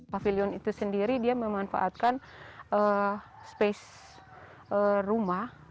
pavilion itu sendiri dia memanfaatkan space rumah